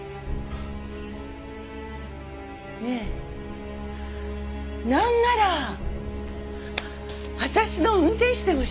ねえなんなら私の運転手でもしない？